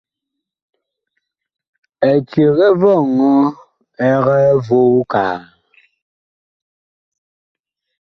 Eceg ɛ vɔŋɔ ɛg voo kaa.